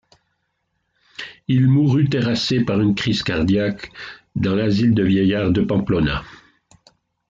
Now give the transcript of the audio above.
Il mourut, terrassé par une crise cardiaque, le dans l’asile de vieillards de Pamplona.